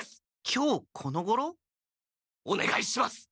きょうこのごろ？おねがいします！